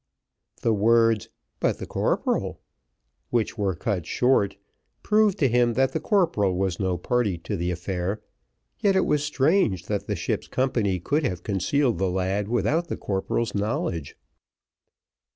The words, "But the corporal," which were cut short, proved to him that the corporal was no party to the affair; yet it was strange that the ship's company could have concealed the lad without the corporal's knowledge.